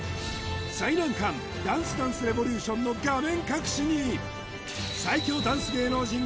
最難関ダンスダンスレボリューションの画面